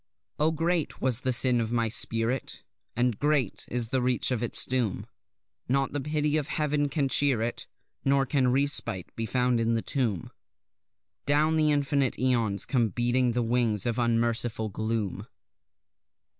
Oh, great was the sin of my spirit, And great is the reach of its doom; Not the pity of Heaven can cheer it, Nor can respite be found in the tomb; Down the infinite aeons come beating the wings of unmerciful gloom.